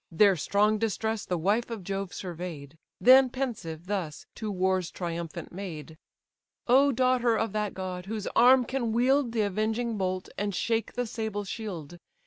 Their strong distress the wife of Jove survey'd; Then pensive thus, to war's triumphant maid: "O daughter of that god, whose arm can wield The avenging bolt, and shake the sable shield!